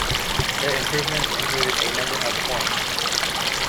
The improvements included a number of points.